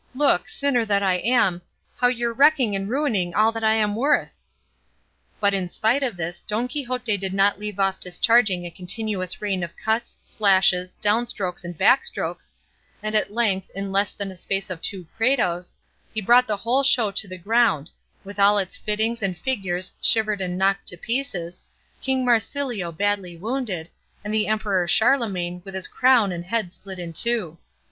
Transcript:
Look sinner that I am! how you're wrecking and ruining all that I'm worth!" But in spite of this, Don Quixote did not leave off discharging a continuous rain of cuts, slashes, downstrokes, and backstrokes, and at length, in less than the space of two credos, he brought the whole show to the ground, with all its fittings and figures shivered and knocked to pieces, King Marsilio badly wounded, and the Emperor Charlemagne with his crown and head split in two.